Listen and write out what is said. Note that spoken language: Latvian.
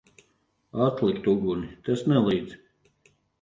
Atlikt uguni! Tas nelīdz.